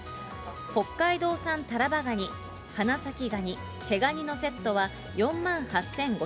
北海道産タラバガニ、花咲ガニ、毛ガニのセットは、４万８５００円。